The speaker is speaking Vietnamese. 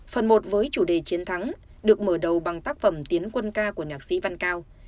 phần một với chủ đề chiến thắng được mở đầu bằng tác phẩm tiến quân ca của nhạc sĩ văn cao